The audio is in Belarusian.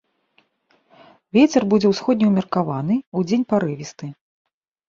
Вецер будзе ўсходні ўмеркаваны, удзень парывісты.